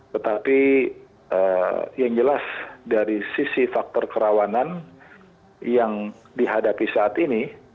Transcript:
tetapi yang jelas dari sisi faktor kerawanan yang dihadapi saat ini